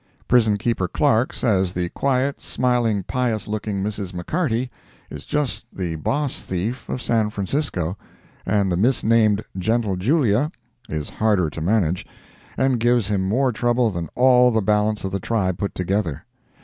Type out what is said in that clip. Prison keeper Clark says the quiet, smiling, pious looking Mrs. McCarty is just the boss thief of San Francisco, and the misnamed "Gentle Julia" is harder to manage, and gives him more trouble than all the balance of the tribe put together.